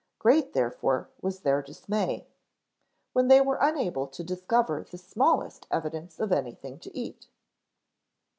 Great, therefore, was their dismay, when they were unable to discover the smallest evidence of anything to eat.